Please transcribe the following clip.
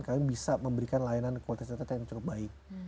kami bisa memberikan layanan kualitas data yang cukup baik